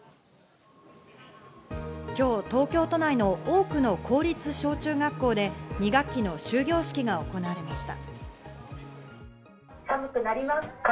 今日、東京都内の多くの公立小中学校で、２学期の終業式が行われました。